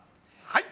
はい。